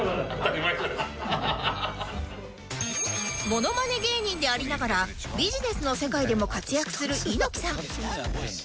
モノマネ芸人でありながらビジネスの世界でも活躍する猪木さん